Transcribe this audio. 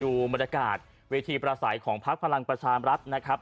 อยู่มรรดากาศเวทีประส่ายของพรรณประชาณรัฐนะครับ